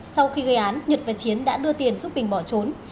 sau khi gây án nhật và chiến đã đưa tiền giúp bình bỏ trốn